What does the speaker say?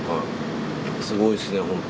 すごいっすね、本当。